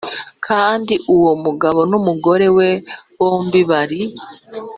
Kandi uwo mugabo n’umugore we bombi bari